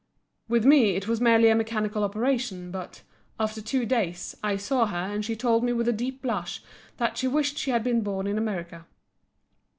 With me it was merely a mechanical operation but, after two days, I saw her and she told me with a deep blush that she wished she had been born in America."